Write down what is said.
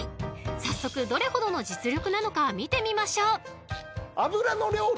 ［早速どれほどの実力なのか見てみましょう］